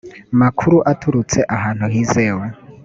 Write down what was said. makuru aturutse ahantu hizewe